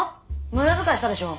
無駄遣いしたでしょ。